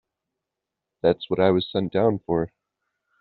That's what I was sent down for.